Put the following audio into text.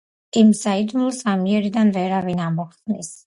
იმ საიდუმლოს ამიერიდან ვეღარავინ ამოხსნის .